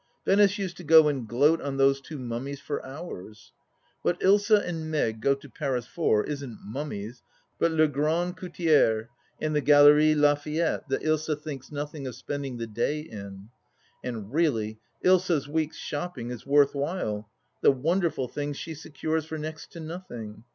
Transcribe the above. Venice used to go and gloat on those two mummies for hours ! What Ilsa and Meg go to Paris for isn't mummies, but les grandes couturieres and the Galerie Lafayette that Ilsa thinks nothing of spending the day in. And really Ilsa's week's shopping is worth while — the wonderful things she secures for next to nothing.